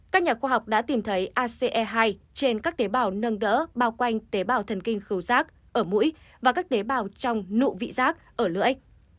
các nhà khoa học đã tìm thấy ace hai trên các tế bào nâng đỡ bao quanh tế bào thần kinh rác ở mũi và các tế bào trong nụ vị giác ở lưỡi